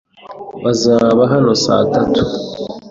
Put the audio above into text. Bazaba hano saa tatu.